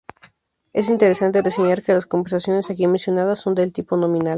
Es interesante reseñar que las conversiones aquí mencionadas son del tipo nominal.